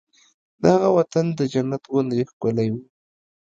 د هغه وطن د جنت غوندې ښکلی و